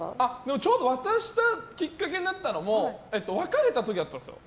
ちょうど渡したきっかけになったのも別れた時だったんですよ。